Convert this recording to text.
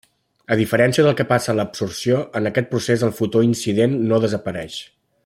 A diferència del que passa a l'absorció, en aquest procés el fotó incident no desapareix.